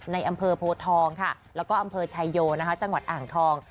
ในอำเภอโพทองค่ะแล้วก็อำเภอชายโยจังหวัดอ่างทอง